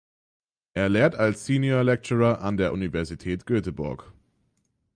Er lehrt als Senior Lecturer an der Universität Göteborg.